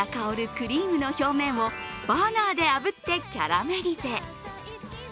クリームの表面をバーナーであぶってキャラメリゼ。